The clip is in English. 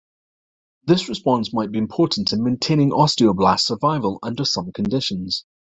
This response might be important in maintaining osteoblast survival under some conditions.